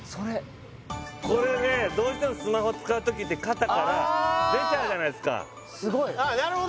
これねどうしてもスマホ使う時って肩から出ちゃうじゃないすかああなるほど！